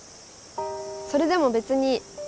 それでも別にいい